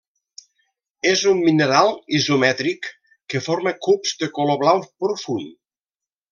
És un mineral isomètric que forma cubs de color blau profund.